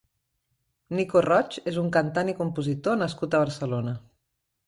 Nico Roig és un cantant i compositor nascut a Barcelona.